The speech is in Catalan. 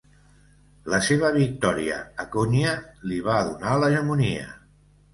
La seva victòria a Konya li va donar l'hegemonia.